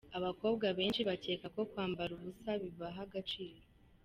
Abakobwa benshi bakeka ko kwambara ubusa bibaha agaciro.